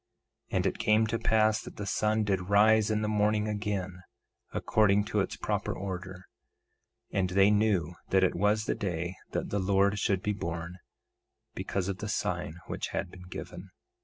And it came to pass that the sun did rise in the morning again, according to its proper order; and they knew that it was the day that the Lord should be born, because of the sign which had been given.